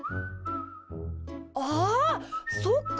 あそっか！